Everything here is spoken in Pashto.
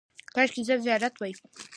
– کاشکې زه زیارت وای.